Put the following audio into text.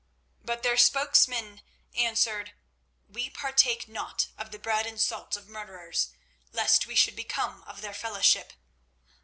But their spokesman answered: "We partake not of the bread and salt of murderers, lest we should become of their fellowship.